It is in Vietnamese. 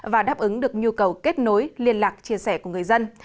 và đáp ứng được nhu cầu kết nối liên lạc chia sẻ của người dân